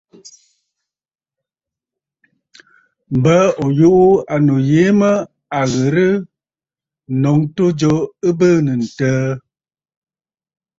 M̀bə ò yuʼù ànnù yìi mə à ghɨ̀rə ǹnǒŋ ɨtû jo ɨ bɨɨnə̀ ǹtəə.